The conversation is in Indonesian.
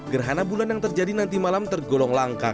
gerhana bulan yang terjadi nanti malam tergolong langka